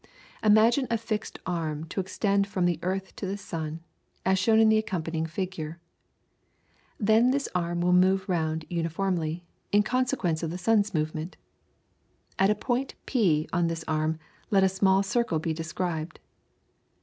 Imagine a fixed arm to extend from the earth to the sun, as shown in the accompanying figure (Fig. 1), then this arm will move round uniformly, in consequence of the sun's movement. At a point P on this arm let a small circle be described.